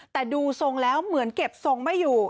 แต่ดูทรงแล้วเหมือนเก็บทรงไม่อยู่